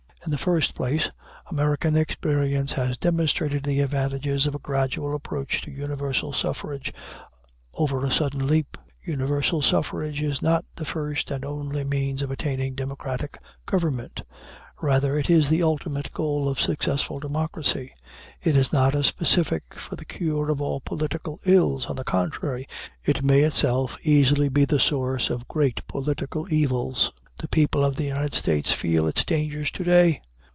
In the first place, American experience has demonstrated the advantages of a gradual approach to universal suffrage, over a sudden leap. Universal suffrage is not the first and only means of attaining democratic government; rather, it is the ultimate goal of successful democracy. It is not a specific for the cure of all political ills; on the contrary, it may itself easily be the source of great political evils. The people of the United States feel its dangers to day.